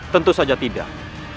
tentu saja tidak